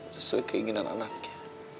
sesuai keinginan anaknya